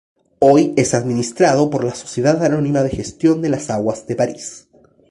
Hoy es administrado por la Sociedad anónima de gestión de las aguas de Paris.